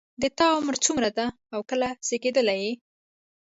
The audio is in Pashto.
د تا عمر څومره ده او کله زیږیدلی یې